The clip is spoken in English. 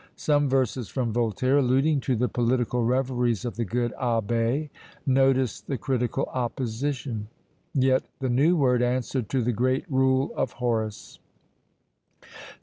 Some verses from Voltaire, alluding to the political reveries of the good abbé, notice the critical opposition; yet the new word answered to the great rule of Horace.